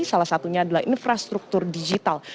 salah satunya adalah infrastruktur digital